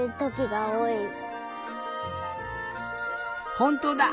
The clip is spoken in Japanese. ほんとうだ！